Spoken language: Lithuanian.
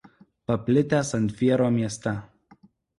Paplitę San Fierro mieste.